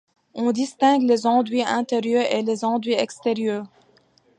On distingue les enduits intérieurs et les enduits extérieurs.